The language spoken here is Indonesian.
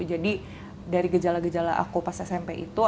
jadi dari gejala gejala aku pas smp itu